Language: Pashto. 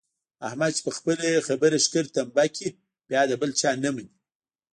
احمد چې په خپله خبره ښکر تمبه کړي بیا د بل چا نه مني.